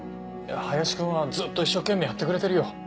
林君はずっと一生懸命やってくれてるよ。